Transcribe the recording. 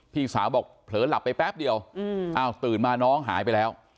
พี่สาวบอกเผลอหลับไปแป๊บเดียวอ้าวตื่นมาน้องหายไปแล้ว